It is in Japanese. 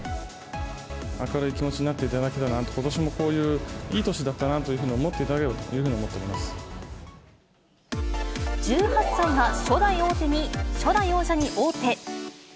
明るい気持ちになっていただけたらなと、ことしもこういういい年だったなというふうに思っていただければ１８歳が初代王者に王手。